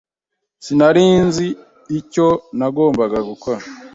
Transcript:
Sinari nzi icyo nagombaga gukora.